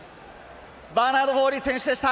バーナード・フォーリー選手でした。